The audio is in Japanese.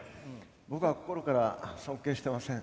僕は心から尊敬してません。